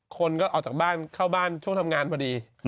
คนก็ออกจากบ้านเข้าบ้านช่วงทำงานพอดี